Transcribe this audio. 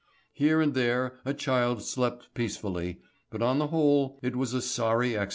Here and there a child slept peacefully, but on the whole it was a sorry exodus.